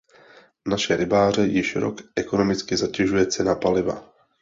Naše rybáře již rok ekonomicky zatěžuje cena paliva.